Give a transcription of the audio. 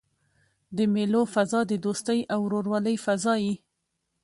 د مېلو فضا د دوستۍ او ورورولۍ فضا يي.